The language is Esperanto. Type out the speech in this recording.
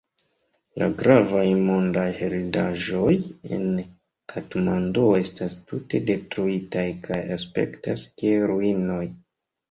La gravaj mondaj heredaĵoj en Katmanduo estas tute detruitaj kaj aspektas kiel ruinoj.